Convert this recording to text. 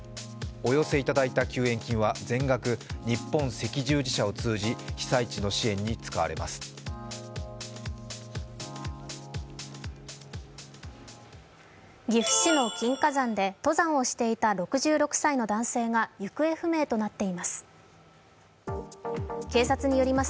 お寄せいただいた救援金は全額日本赤十字社を通じて被災地の支援に使われます。